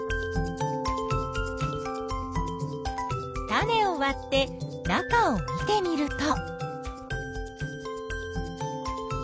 種をわって中を見てみると。